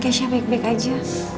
keisha baik baik aja